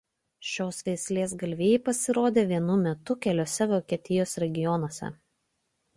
Šios veislės galvijai pasirodė vienu metu keliuose Vokietijos regionuose.